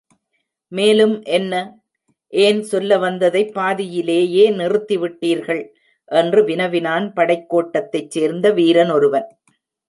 மேலும் என்ன?... ஏன் சொல்ல வந்ததைப் பாதியிலேயே நிறுத்திவிட்டீர்கள்? என்று வினவினான் படைக் கோட்டத்தைச் சேர்ந்த வீரனொருவன்.